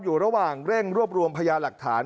อยู่ระหว่างเร่งรวบรวมพยาหลักฐาน